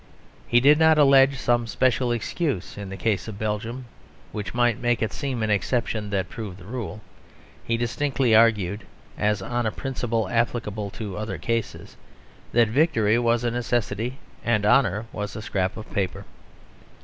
He did not allege some special excuse in the case of Belgium, which might make it seem an exception that proved the rule. He distinctly argued, as on a principle applicable to other cases, that victory was a necessity and honour was a scrap of paper.